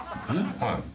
はい。